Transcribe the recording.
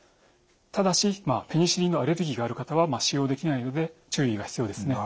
ただしペニシリンのアレルギーがある方は使用できないので注意が必要ですね。